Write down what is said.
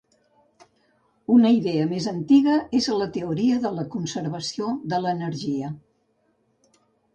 Una idea més antiga és la teoria de la "conservació de l'energia".